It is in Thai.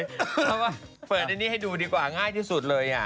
แล้วก็เปิดอันนี้ให้ดูดีกว่าง่ายที่สุดเลย